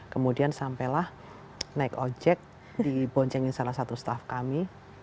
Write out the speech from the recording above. kemudian sampelah naik ojek di bonceng yang salah satu staff kami